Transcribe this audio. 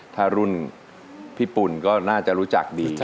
ถ้ารุ่นพี่ปุ่นก็น่าจะรู้จักดี